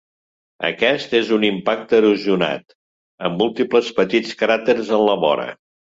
Aquest és un impacte erosionat, amb múltiples petits cràters en la vora.